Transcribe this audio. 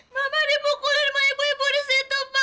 mama dibukulin sama ibu ibu di situ pa